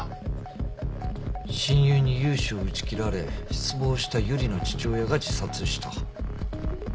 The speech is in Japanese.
親友に融資を打ち切られ失望した由梨の父親が自殺した。